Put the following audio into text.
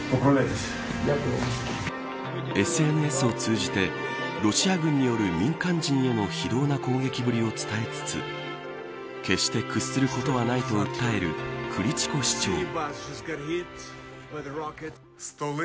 ＳＮＳを通じてロシア軍による民間人への非道な攻撃ぶりを伝えつつ決して屈することはないと訴えるクリチコ市長。